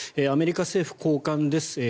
アメリカ政府高官です。